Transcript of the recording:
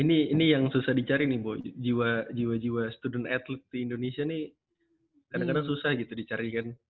ini yang susah dicari nih bu jiwa jiwa student athlete di indonesia nih kadang kadang susah gitu dicari kan